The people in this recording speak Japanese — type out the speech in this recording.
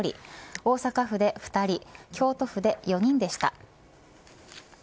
大阪府で２人京都府で４人でした。